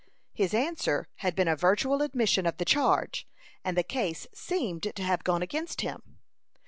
His answer had been a virtual admission of the charge, and the case seemed to have gone against him.